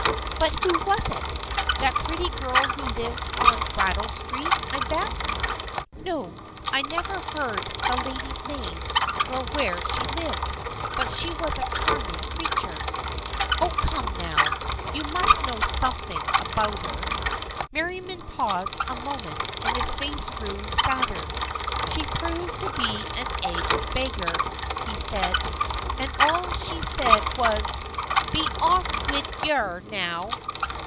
" But who was it ? That pretty girl who lives on Brattle Street, I bet !"" No, I never heard the lady's name nor where she lived, but she was a charming creature.'' " Oh, come now. You must know something about her." Merriam paused a moment and his face grew sadder. " She proved to be an aged beggar," he said, " and all she said was, ' Be off wid yer, now.